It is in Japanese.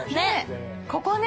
ここね。